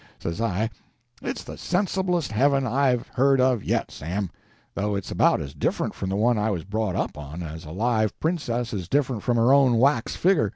Says I, "It's the sensiblest heaven I've heard of yet, Sam, though it's about as different from the one I was brought up on as a live princess is different from her own wax figger."